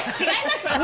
違います！